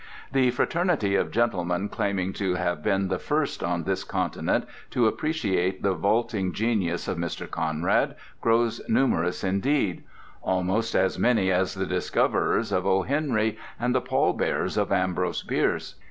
The fraternity of gentlemen claiming to have been the first on this continent to appreciate the vaulting genius of Mr. Conrad grows numerous indeed; almost as many as the discoverers of O. Henry and the pallbearers of Ambrose Bierce.